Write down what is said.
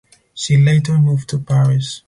She later moved to Paris.